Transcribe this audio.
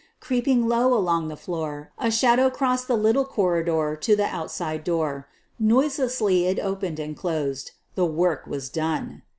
Creeping low along the floor, a shadow crossed the little corridor to the outside door; noiselessly it opened and closed — the work was done!